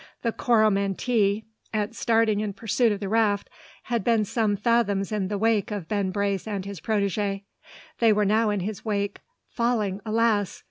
The Coromantee, at starting in pursuit of the raft, had been some fathoms in the wake of Ben Brace and his protege. They were now in his wake, falling, alas!